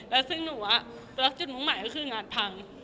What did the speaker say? และจุดมุ่งหมายคืองานพัง